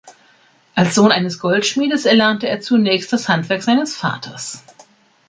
Als Sohn eines Goldschmiedes erlernte er zunächst das Handwerk seines Vaters.